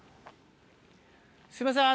すいません